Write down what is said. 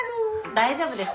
大丈夫ですよ。